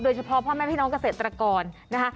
โดยเฉพาะพ่อแม่พี่น้องเกษตรกรนะคะ